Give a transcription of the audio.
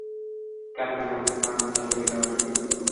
কাজেই আমার ধারণা, গল্পের এই অংশটি বানানো।